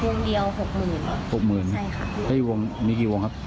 วงเดียวหกหมื่นหกหมื่นใช่ค่ะได้วงมีกี่วงครับ